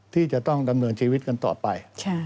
ที่จะต้องดำเนินชีวิตกันต่อไป